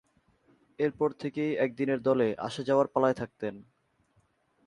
এরপর থেকেই একদিনের দলে আসা-যাওয়ার পালায় থাকতেন।